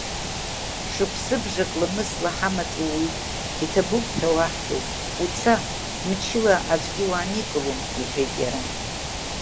Шықәсыбжак ламысла ҳамаҵ ууит, иҭабуп ҳәа уаҳҳәоит, уца, мчыла аӡәгьы уааникылом, — иҳәеит иара.